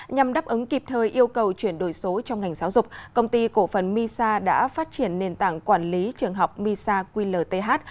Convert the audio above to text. nhằm đáp ứng kịp thời yêu cầu chuyển đổi số trong ngành giáo dục công ty cổ phần misa đã phát triển nền tảng quản lý trường học misa qlth